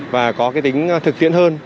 và có cái tính thực tiễn hơn